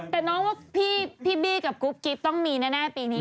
แต่น้องว่าพี่บี้กับกุ๊กกิ๊บต้องมีแน่ปีนี้